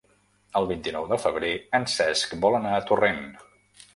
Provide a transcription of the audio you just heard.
El vint-i-nou de febrer en Cesc vol anar a Torrent.